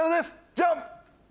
ジャン！